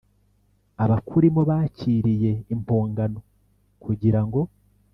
Abakurimo bakiriye impongano kugira ngo